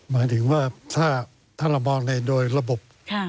หมายถึงว่าถ้าเรามองในโดยระบบ